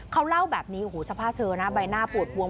เขาเล่าแบบนี้สภาพเธอนะใบหน้าปวดปวง